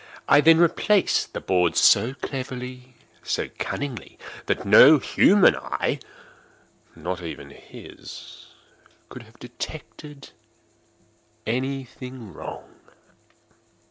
I then replaced the boards so cleverly, so cunningly, that no human eye—not even his—could have detected any thing wrong.